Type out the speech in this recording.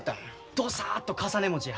ドサッと重ね餅や。